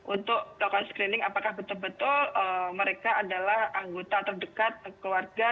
untuk melakukan screening apakah betul betul mereka adalah anggota terdekat keluarga